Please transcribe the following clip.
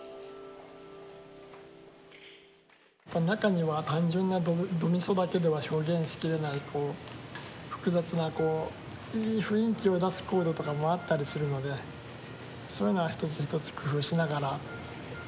中には単純なドミソだけでは表現し切れない複雑ないい雰囲気を出すコードとかもあったりするのでそういうのは一つ一つ工夫しながら。